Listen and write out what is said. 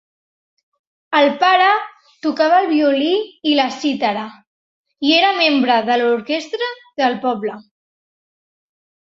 El pare tocava el violí i la cítara, i era membre de l'orquestra del poble.